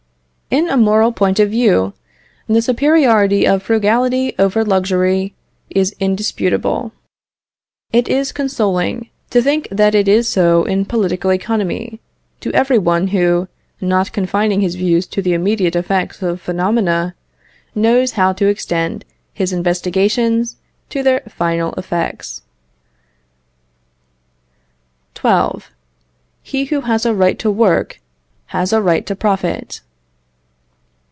In a moral point of view, the superiority of frugality over luxury is indisputable. It is consoling to think that it is so in political economy, to every one who, not confining his views to the immediate effects of phenomena, knows how to extend his investigations to their final effects. XII. He Who Has a Right to Work Has a Right to Profit.